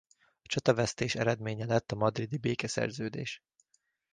A csatavesztés eredménye lett a madridi békeszerződés.